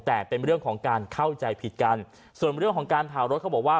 แต่เป็นเรื่องของการเข้าใจผิดกันส่วนเรื่องของการเผารถเขาบอกว่า